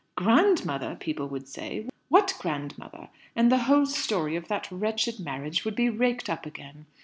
'Grandmother!' people would say. 'What grandmother?' and the whole story of that wretched marriage would be raked up again.